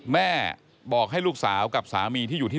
แม่บอกให้ลูกสาวกับสามีที่อยู่ที่